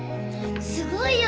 すごいよ！